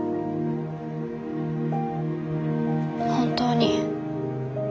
本当に。